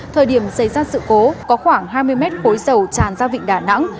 thời điểm xảy ra sự cố có khoảng hai mươi mét khối dầu tràn ra vịnh đà nẵng